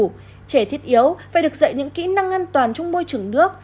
trẻ thiết yếu phải được dạy những kỹ năng an toàn trong môi trường nước